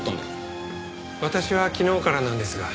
私は昨日からなんですが。